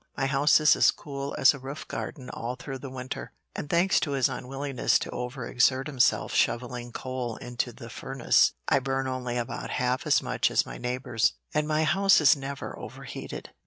My house is as cool as a roof garden all through the winter, and thanks to his unwillingness to over exert himself shovelling coal into the furnace, I burn only about half as much as my neighbors, and my house is never overheated.